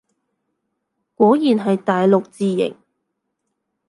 果然係大陸字形